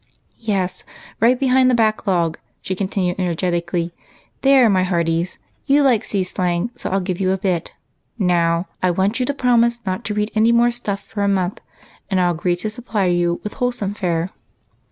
" Yes, right behind the back log," she continued, energetically. " There, my hearties — (you like sea slang, so I'll give you a bit) — now, I want you to promise not to read any more stuff for a month, and I '11 agree to supply you with wholesome fare."